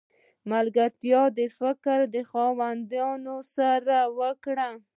ملګرتیا د فکر خاوندانو سره وکړئ!